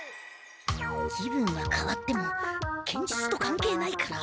気分はかわっても剣術と関係ないから。